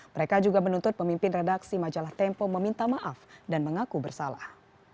mereka juga menuntut pemimpin redaksi majalah tempo meminta maaf dan mengaku bersalah